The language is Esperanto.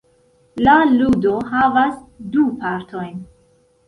La ludo havas du partojn.